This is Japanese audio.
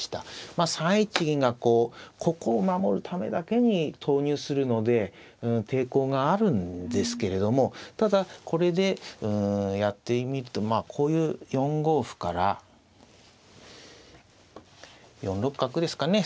まあ３一銀がこうここを守るためだけに投入するので抵抗があるんですけれどもただこれでやってみるとまあこういう４五歩から４六角ですかね。